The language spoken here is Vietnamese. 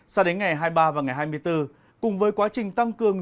sao đến ngày hai mươi ba và ngày hai mươi bốn cùng với quá trình tăng cường